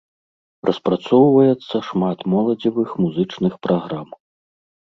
Распрацоўваецца шмат моладзевых музычных праграм.